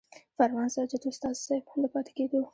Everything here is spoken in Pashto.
فرمان ساجد استاذ صېب د پاتې کېدو